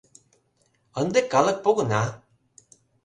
Ынде калык погына.